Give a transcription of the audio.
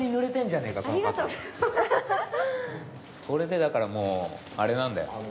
これでだからもうあれなんだよ。